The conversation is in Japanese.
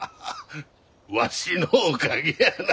ワシのおかげやな。